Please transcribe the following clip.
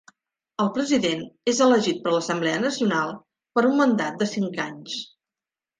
El president és elegit per l'Assemblea Nacional per a un mandat de cinc anys.